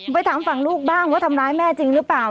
ไปถามฝั่งลูกบ้างว่าทำร้ายแม่จริงหรือเปล่า